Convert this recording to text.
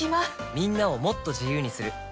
みんなをもっと自由にする「三菱冷蔵庫」